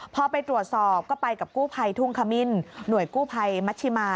พอไปตรวจสอบก็ไปกับกู้ภัยทุ่งขมิ้นหน่วยกู้ภัยมัชชิมา